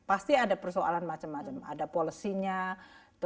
pasti ada persoalan macam macam